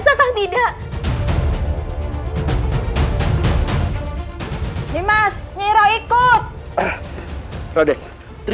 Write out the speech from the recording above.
saya tidak tahu apa ini